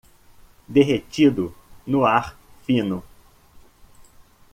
Derretido no ar fino